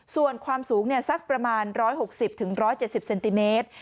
ส่วนความสูงสักประมาณ๑๖๐๑๗๐เซนติเมตร